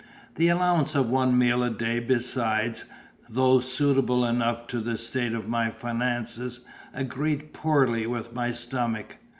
The allowance of one meal a day besides, though suitable enough to the state of my finances, agreed poorly with my stomach.